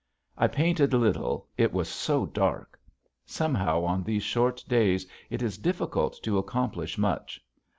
I painted little it was so dark. Somehow on these short days it is difficult to accomplish much.